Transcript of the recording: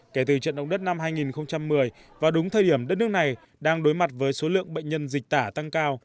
kể từ trận động đất năm hai nghìn một mươi và đúng thời điểm đất nước này đang đối mặt với số lượng bệnh nhân dịch tả tăng cao